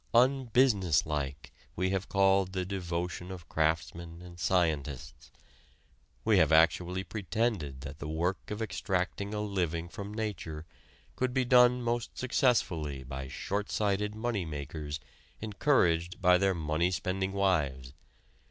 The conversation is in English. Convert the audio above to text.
"Unbusinesslike" we have called the devotion of craftsmen and scientists. We have actually pretended that the work of extracting a living from nature could be done most successfully by short sighted money makers encouraged by their money spending wives.